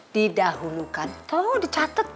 didahulukan tuh dicatet